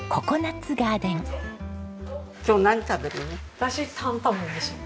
今日何食べるの？